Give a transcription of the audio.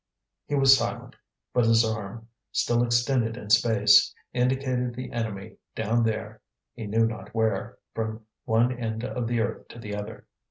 He was silent, but his arm, still extended in space, indicated the enemy, down there, he knew not where, from one end of the earth to the other.